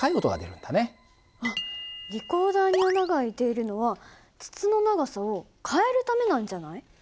あっリコーダーに穴が開いているのは筒の長さを変えるためなんじゃない？